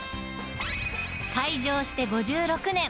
開場して５６年。